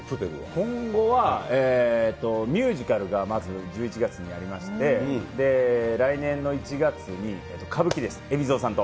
今後はミュージカルがまず１１月にありまして、来年の１月に歌舞伎です、海老蔵さんと。